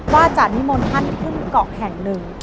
ว่าจะนิมนต์ท่านขึ้นเกาะแห่งหนึ่ง